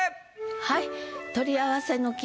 はい。